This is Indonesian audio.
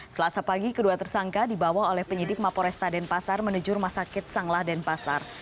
selasa pagi kedua tersangka dibawa oleh penyidik maporesta denpasar menujur masakit sanglah denpasar